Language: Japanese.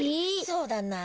そうだな。